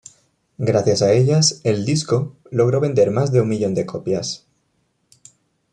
Gracias a ellas, el disco logró vender más de un millón de copias.